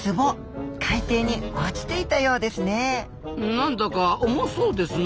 なんだか重そうですな。